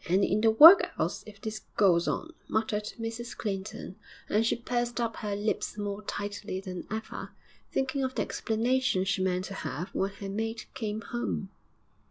'We shall end in the work'ouse if this goes on,' muttered Mrs Clinton, and she pursed up her lips more tightly than ever, thinking of the explanation she meant to have when her mate came home.